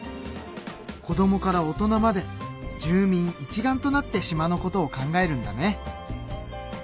子どもから大人まで住民一丸となって島のことを考えるんだね。